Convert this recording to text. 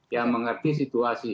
yang mengerti situasi